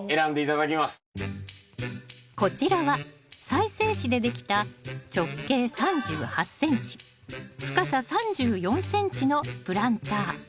こちらは再生紙でできた直径３８ｃｍ深さ３４ｃｍのプランター。